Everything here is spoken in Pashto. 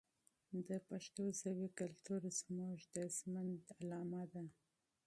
د پښتو ژبې کلتور زموږ د بقا نښه ده.